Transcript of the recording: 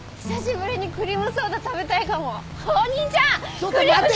ちょっと待て！